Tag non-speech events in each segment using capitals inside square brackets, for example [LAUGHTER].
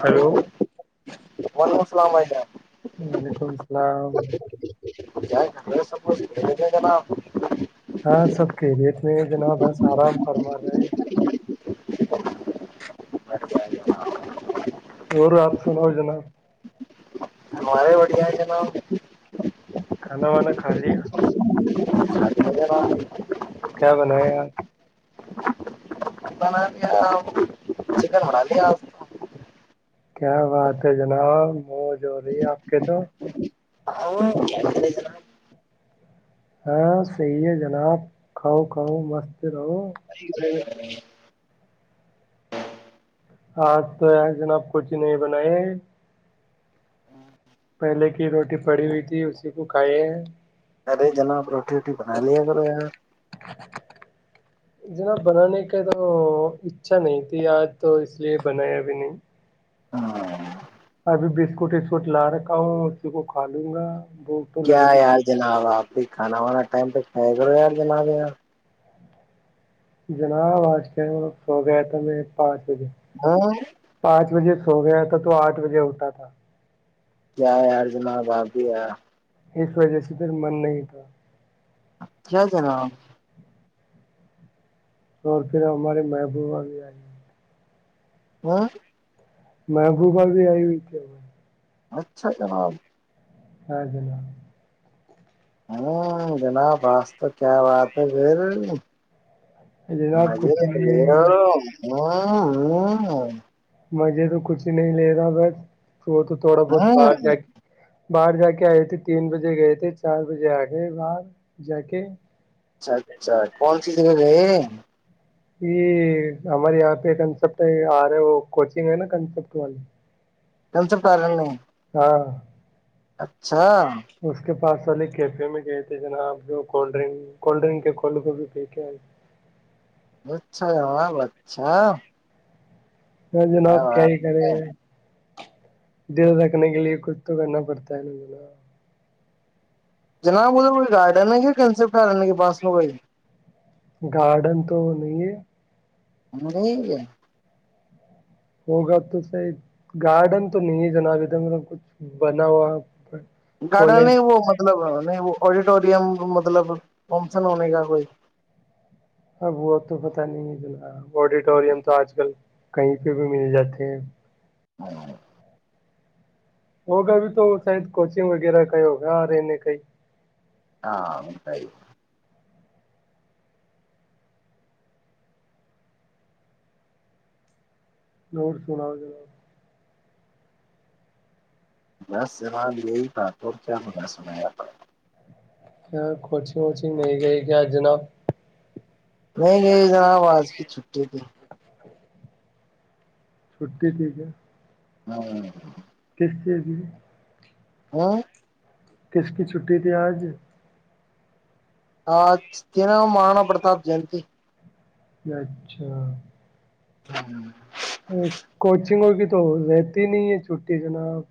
Hello وعلیکم السلام علیکم وعلیکم السلام کیا س گ جنا ہاں سوب کے س جنا بس آرام فرمار ج ہے ب [INAUDIBLE] اور آپ سو نو جناب مارے بڑیا نا کھانا وانا کھا لیا چ [INAUDIBLE] بنا ہے آ نا چکن ہواالیا کیا بات ہے جناب موج ہو رہی ہے آپ کے تو ہاں صحی ہے جناب کھاؤ کھاؤ مست رہو آج تو ہے جناب کچی نہیں بنائے پہلے کی روٹی پڑی ہوئی تھی اسی کو کھائے ہیں ارے جنا پر روٹی روٹی بنا لییا گو یار جناب بنانے کے تو اچھا نہیں تھی آج تو اس لیے بنایا بھی نہیں ابھی بسکٹ وسکٹ لا رکھا ہوں اسی کو کھا لوں گا بھوک تو کیا لگ یار رہی جناب آپ کھانا وانا ٹائم پ ہے گو یار جنا ار جناب آج کے سو گیا تھا میں پاچ ہاں پانچ بجے س گیا تھا تو آٹھ بجے اٹھتا تھا کیا ی اارجنا بھابھی ہے اس وجہ سے پھر من نہیں تھا کیا جناب اور پھر ہماریے محبوبہ بھی آئی ہاں محبوبہ بھی آئی ہوئی کیا ب اچھا جناب ہاں ج ہ جناب آج تو کیا بات ہے پھر جناب مجے کچھ بے ہ نہیں ہاں ہ مجزے تو کچھ نہیں لے رہا بس تو وہ تو تھوڑا بہت ہوں۔ باہر اچھا جا کے باہر جا کے آئے تھے تین بجے گئے تھے چار بجے آ گئے باہر جا کے اچھا اچھا کون سی جگ ہے یہ ہمارے یہاں پہ کنسپٹ ہے آ رہا وہ کوچنگ ہے نا کنسپٹ وال سے کارن نہیں ہاں اچھا اچچھا پارسل کیفے میں گئے تھے ج نا آپ جو کولڈ ڈن کولڈ ڈرنک کے کھ کو بھی پی کے آئے اچھا اب اچھا ہاں جناب کیا بات ہی کرے ہے دیر رکھنے کے لیے کچھ تو کرنا پڑتا ہے ن جو نا جناب ادھر کوئی گارڈن کیا کنسپٹنے کے پاس میں کوئی گارڈن تو نہیں ہے ہمد ہی گ ہوگا تو صحی گارڈن تو نہیں ہے جناب ا دھر مطب کچھ بنا ہوا گاڑا کالج نہیں وہ مطلب نہیں وہ آڈیٹوریم مطلب ہومسن ہونے کا کوئی اب وہ تو پت نہیں ہےنا آڈیٹوریم تو آج کل کہیں پہ بھی ملے جاتے ہیں ہاں [UNINTELLIGIBLE] ہوگا ابھی تو شاید کوچنگ وغیرہ کا ہوگا رہنے کائی ہاں اور سنا جناب میں سوال یہی تھا تو کیا مجھے سنایا تھا کیا کوچنگ ووچنگ نہیں گئی کیا جناب نہیں نہیں جناب آج کی چھٹی تھی [UNINTELLIGIBLE] چھٹی لی کیا ہاں [UNINTELLIGIBLE] کیس ہے ج ہاں کس کی چھٹی تھی آج ہاں ت ن مہانا پرتاپ جیتی اچھا ہوں کوچنگوں کی تو رہتی نہیں ہے چھٹی جناب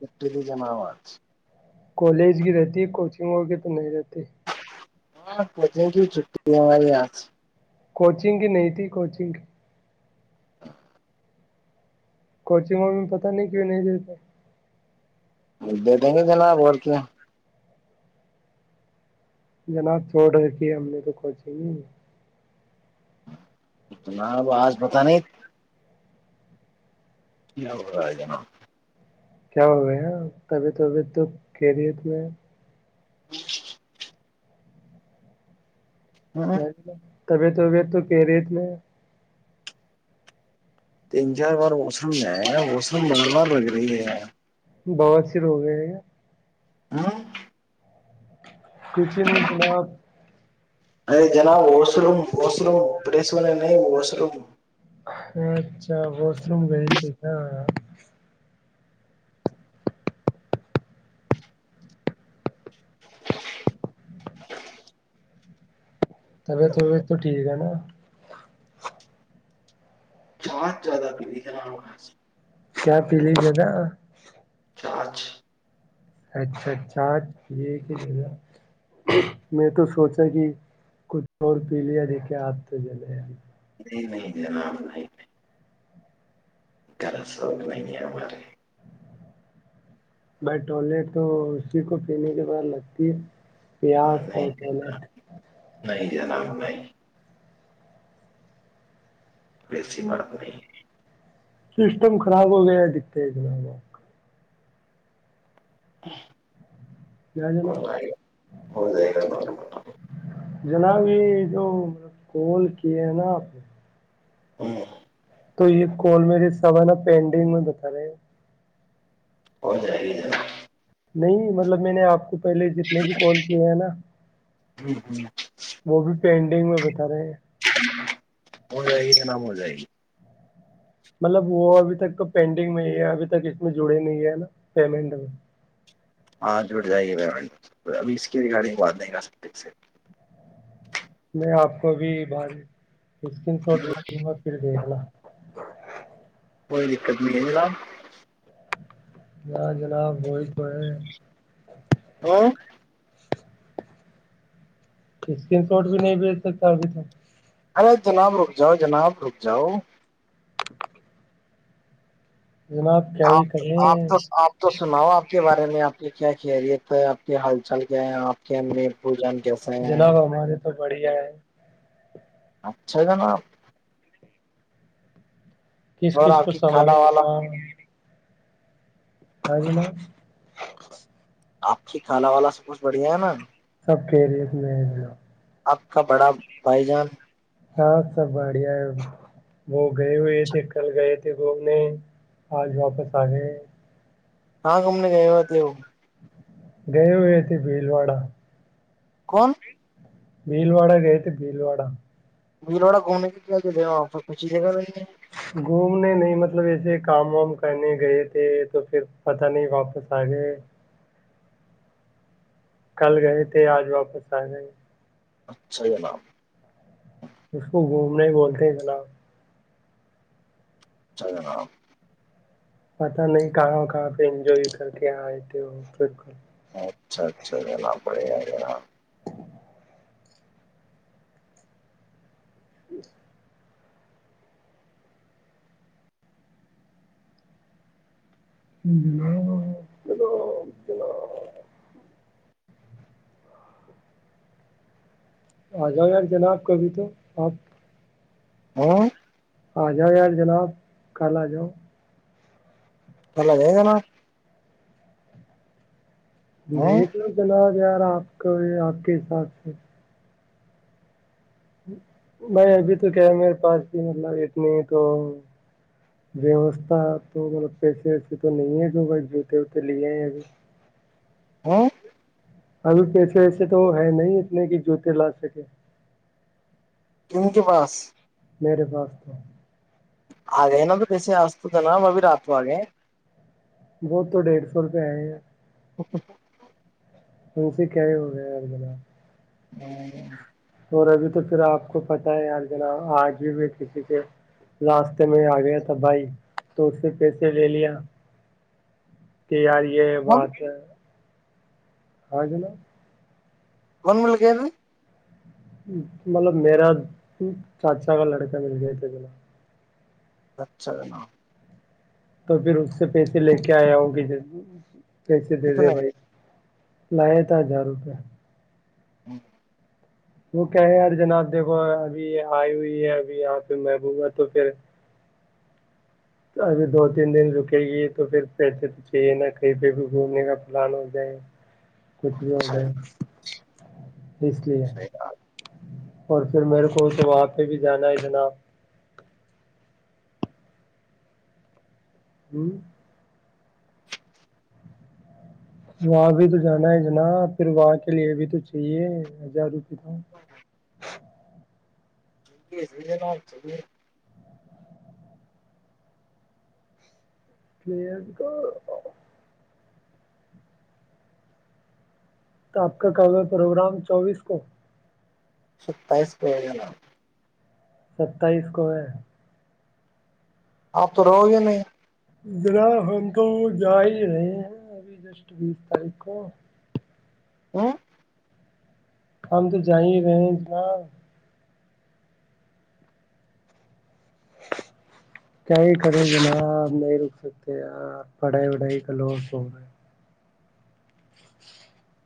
ایک ت جم آوج [UNINTELLIGIBLE] کالج کی رہتی ہے کوچنگ ہو کے تو نہیں رہتی [UNINTELLIGIBLE] ہاں کچن کی چھٹی ہماری آج [UNINTELLIGIBLE] کوچنگ کی نہیں تھی کوچنگ [UNINTELLIGIBLE] کوچنگ و میں پتہ نہیں کی نہیں دیتے [UNINTELLIGIBLE] ا دے دیں گ جناب اور کیا [UNINTELLIGIBLE] جناب چھوٹ کے ہم نے تو کھ ہی نہیں [UNINTELLIGIBLE] اتنا اب آج پت نہیں [UNINTELLIGIBLE] ج ہو رہ ج ن [UNINTELLIGIBLE] کیا ہوا ہیں تبھیتبھی تو کہہ رہی ہے ت [UNINTELLIGIBLE] جی [UNINTELLIGIBLE] ج جناب [UNINTELLIGIBLE] طبیعت وبیعت تو کہہ رہیت میں [UNINTELLIGIBLE] تین چار بار موسم ہے موسم بار بار لگ رہی ہے [UNINTELLIGIBLE] بہت سر ہو گئے ہیں کیا [UNINTELLIGIBLE] ہاں [UNINTELLIGIBLE] کچھ نہیں جناب [UNINTELLIGIBLE] ارے جناب وہوم وہوم پریس وال نہیں وہسروم [UNINTELLIGIBLE] اچھا واس روم گئی تھی کیا [UNINTELLIGIBLE] طبیعت وبیعت تو ٹھیک ہے نا ات [UNINTELLIGIBLE] کیا پیلی ہے نا [UNINTELLIGIBLE] چاچ اچھا اچ چا آج یہگا میں تو سوچا کہ کچھ اور پی لیا دیکھے آپ تو جلے نہیں نہیں ن [UNINTELLIGIBLE] گرا سوق نہیں ہے ہمارے بائی ٹوولے تو اسی کو پینے کے بعد لگتی ہے پیاز اور نہیں ٹلیٹ نہیں نہیں [UNINTELLIGIBLE] بسی بات نہیں [UNINTELLIGIBLE] سسٹم خراب ہو گیا ہے دکھتے ہےتنا لوگ کیا جناب [UNINTELLIGIBLE] ہو جائے گا [UNINTELLIGIBLE] جناب یہ جو کال کیے ہیں نا آپ نے [UNINTELLIGIBLE] ہاں [UNINTELLIGIBLE] تو یہ کول مری سبا نا پینڈنگ میں بتا رہے ہیں ہودرا ہگ جا نہیں مطلب میں نے آپ کو پہلے جتنے بھی کال کیے ہیں نا وہ بھی پڈ [UNINTELLIGIBLE] ڈگ میں بتا رہے ہیں [UNINTELLIGIBLE] ہو جائے گی کہ ن ہو جائے گی [UNINTELLIGIBLE] مطلب وہ ابھی تک تو پینڈنگ میں ہے ابھی تک اس میں جڑے نہیں ہے نا پیمنٹ میں ہاں جٹ جائے گی پینٹ ابھی اس کی ریگارڈنگ بات نہیں کر سکتے اس سے میں آپ کو بھی بر اسکرین شاٹ د دوں گا پھر دیکھنا ہ [INAUDIBLE] کوئی دقت نہیں ہے ملب ہ جناب وہی تو ہے ہ [UNINTELLIGIBLE] اسکرین شاٹ بھی نہیں بھیج سکتا ابھی تک ارے جناب رک جاؤ جناب رک جاؤ [UNINTELLIGIBLE] جناب کیا ہی آپ آپ کریں تو آپ تو سناؤ آپ کے بارے بارے میں آپ کی کیا خیریت ہے آپ کے ہلال چل کیا ہے آپ کے پوجن [UNINTELLIGIBLE] جنا بہ مار بڑھیا ہے [UNINTELLIGIBLE] اچھا جنا [UNINTELLIGIBLE] کس اور کس آپ کو کی سمال کھانا والا [UNINTELLIGIBLE] آ جنا [UNINTELLIGIBLE] آپ کی کالا والا سب کچھ بڑھیا ہے نا سب کے ریت میں آپ کا بڑا بھائی جان [UNINTELLIGIBLE] ہاں سب بڑھیا ہے وہ [UNINTELLIGIBLE] گئے ہوئے تھے کل گئے تھے [UNINTELLIGIBLE] گھومنے آج واپس آ گئے [UNINTELLIGIBLE] ہاں گم نے گئےت وہ [UNINTELLIGIBLE] گئے ہوئے تھ بھیل وڑا [UNINTELLIGIBLE] کون [INAUDIBLE] بھیل وڑا گئے تھے بھیل وڑا [UNINTELLIGIBLE] ملوڑا گھومنے کے کیا چلےا آاں کچھ ہی دے گا ب [UNINTELLIGIBLE] گھومنے نہیں مطلب ایسے کام وام کرنے گئے تھے تو پھر پتہ نہیں واپس آ گئے [UNINTELLIGIBLE] کل گئے تھے آج واپس آ گ [UNINTELLIGIBLE] اچھا ج نب [UNINTELLIGIBLE] اس کو گھومنے بولتے ہیں جناب [UNINTELLIGIBLE] ج رام [INAUDIBLE] پتا نہیں کہاں کہاں پ انجوائے کر کے یہاں آئے تھ ہو بکل [UNINTELLIGIBLE] اچھا اچھا جاں پڑے یار گاں [UNINTELLIGIBLE] جچ [INAUDIBLE] جناب جناب جناب [UNINTELLIGIBLE] آ جاؤ یار جناب کبھی تو آپ [UNINTELLIGIBLE] ہوں [INAUDIBLE] آ جاؤ یار جناب کل آ جاؤ [UNINTELLIGIBLE] پلا جے گا نا [UNINTELLIGIBLE] دیکٹ لو جنا ہو یار آپ [UNINTELLIGIBLE] آ کا یہ آپ کے حساب سے [UNINTELLIGIBLE] نہیں ابھی تو کیا ہے میرے پاس بھی مطلب اتنی تو ویوستھا تو مطلب پیسے ویسے تو نہیں ہے جو بھائی جوتے ہوتے لیےئے ابھی [UNINTELLIGIBLE] ہ [INAUDIBLE] ابھی پیسے ویسے تو ہے نہیں اتنے کہ جوتے لا سکے [UNINTELLIGIBLE] کن کے پاس [UNINTELLIGIBLE] میرے پاس تو [INAUDIBLE] آگین تو بسے آس تھا ن ابھی رات وگے [UNINTELLIGIBLE] بہت تو ڈیڑھ سو روپئے آئے ہیں [UNINTELLIGIBLE] اوکے س [INAUDIBLE] توے کیے ہو گ ا ملا [UNINTELLIGIBLE] ہاں [INAUDIBLE] اور ابھی تو پھر آپ کو پتہ ہے یار جنا آج بھی میں کسی کے راستے میں آ گیا تھا بھائی تو اس سے پیسے لے لیا تیاری [UNINTELLIGIBLE] یہ بات ہے [INAUDIBLE] ہاں جناب کون ب لگے میں [UNINTELLIGIBLE] مطلب میرا چاچا کا لڑکا مل گیا تھ بلا [UNINTELLIGIBLE] اچھا جنا [UNINTELLIGIBLE] تو پھر اس سے پیسے لے کے آیا ہگی ج [UNINTELLIGIBLE] کیسے دے دے کتنے بھائی [UNINTELLIGIBLE] لیا تھا ہزار روپئے [UNINTELLIGIBLE] ا [INAUDIBLE] وہ کہے ار جناب دیکھو ابھی آئی ہوئی ہے ابھی یہاں پہ محبوبا تو پھر اگر دو تین دن رکے گی تو پھر پیسے تو چاہیے نا کہیں پہ بھی گھومنے کا پلان ہو جائے [UNINTELLIGIBLE] کچھ بھی ہو اچھا جائے اس لیے [UNINTELLIGIBLE] اور پھر میرے کو تو وہاں پہ بھی جانا ہے اتنا ہوں [INAUDIBLE] وہاں بھی تو جانا ہے جنا پھر وہاں کے لیے بھی تو چاہیے ہزار روپے تو چے چے نا چے پ کا تو آپ کا کابل پروگرام چوبیس کو ستائیس پ ستائیس کو ہے آپ تو رہو گے نہیں ذرا ہم تو جا ہی رہے ہیں ابھی جسٹ بیس تاریخ کو ا ہم تو جائی رہے ہیں اتنا کیائی کھڑے جنا نہیں رک سکتے یار پڑھائی وڑھائی کا لور س ہو رہے ج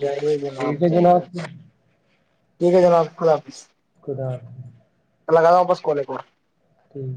جائیے ج نپ ٹھیک ہے جائیے جناب ٹھیک ہے جناپ خدلہ حافظ خد لگا ہوں بس کوالے کو ٹھیک